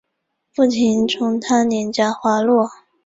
不停从她脸颊滑落